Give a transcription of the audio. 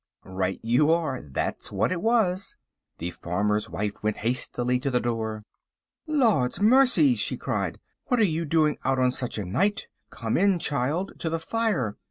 Right you are. That's what it was. The farmer's wife went hastily to the door. "Lord's mercy!" she cried, "what are you doing out on such a night? Come in, child, to the fire!"